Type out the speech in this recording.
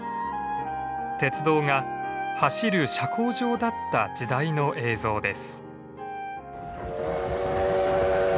鉄道が走る社交場だった時代の映像です。